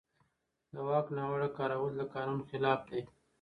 د واک ناوړه کارول د قانون خلاف دي.